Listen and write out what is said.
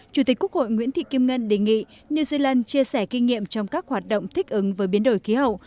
chủ tịch quốc hội nguyễn thị kim ngân đề nghị new zealand chia sẻ kinh nghiệm trong các hoạt động thích ứng với biến đổi khí hậu